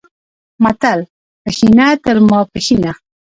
متل، پښینه تر ماپښینه